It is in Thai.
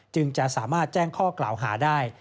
จึงจะสามารถแจ้งข้อกล่าวหาได้